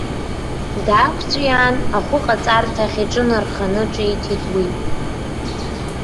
Даақәҵәиаан, ахәыҟаҵарҭахь иҿы нарханы ҿиҭит уи.